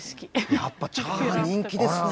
やっぱチャーハン人気ですね。